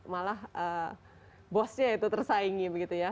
malah bosnya itu tersaingi begitu ya